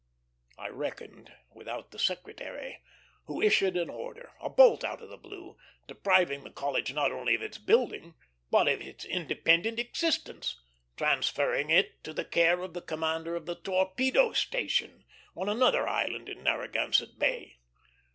I reckoned without the Secretary, who issued an order, a bolt out of the blue, depriving the College not only of its building, but of its independent existence; transferring it to the care of the commander of the Torpedo Station, on another island in Narragansett Bay.